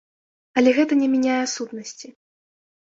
Але гэта не мяняе сутнасці.